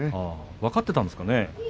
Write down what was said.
分かっていたんですかね。